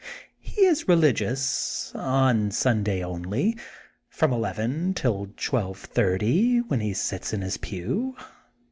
He is religious, on Sun day only, from eleven till twelve thirty, when he sits in his pew.